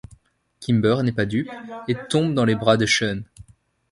Kimber n'est pas dupe, et tombe dans les bras de Sean.